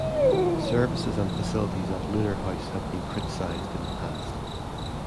Services and facilities at Lunar House have been criticised in the past.